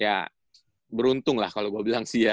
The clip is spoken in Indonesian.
ya beruntung lah kalo gua bilang sih ya